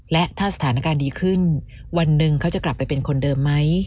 และถ้าสถานการณ์ดีขึ้นวันหนึ่งเขาจะกลับไปเป็นคนเดิมไหม